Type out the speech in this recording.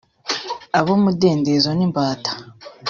abumudendezo n'imbata